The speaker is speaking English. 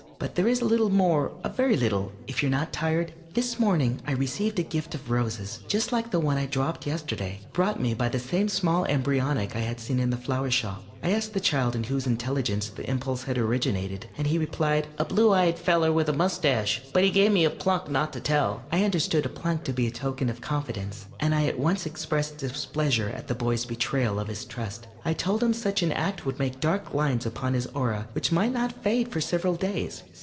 But there is a little more, a very little, if you are not tired. This morning I received a gift of roses, just like the one I dropped yesterday, brought me by the same small embryonic I had seen in the flower shop. I asked the child in whose intelligence the impulse had originated, and he replied: "A blue eyed feller with a mustache, but he gave me a plunk not to tell." I understood a plunk to be a token of confidence, and I at once expressed displeasure at the boy's betrayal of his trust. I told him such an act would make dark lines upon his aura which might not fade for several days.